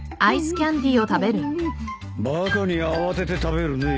バカに慌てて食べるね。